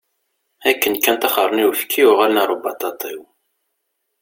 Akken kan taxṛen i uyefki, uɣalen ar ubaṭaṭiw.